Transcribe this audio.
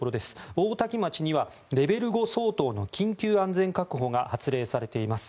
大多喜町にはレベル５相当の緊急安全確保が発令されています。